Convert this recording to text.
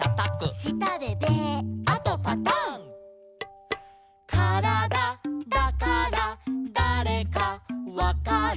「したでベー」「あとパタン」「からだだからだれかわかる」